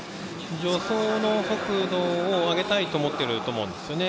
助走の速度を上げたいと思っていると思うんですね。